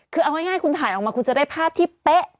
คือเอาง่ายคุณถ่ายออกมาคุณจะได้ภาพที่เป๊ะ